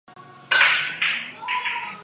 室町时代江户时代昭和时期平成时期